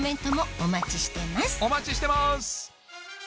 お待ちしてます！